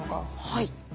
はい。